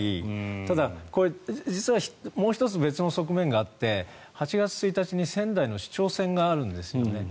ただ、これ、実はもう１つ別の側面があって８月１日に仙台市長選があるんですよね。